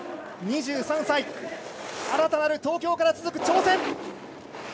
２３歳、新たなる東京から続く挑戦。